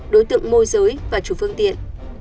đối tượng môi giới và chủ phương tiện